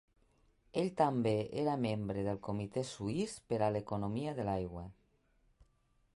Ell també era membre del Comitè Suís per a l'Economia de l'Aigua.